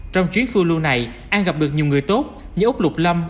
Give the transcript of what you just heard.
trong chuyến phương lưu này an gặp được nhiều người tốt như úc lục lâm